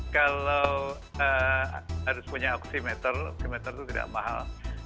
kalau harus punya oksimeter oksimeter itu tidak mahal